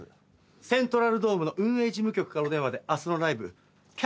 セントラルドームの運営事務局からお電話で明日のライブキャンセルさせてほしいと。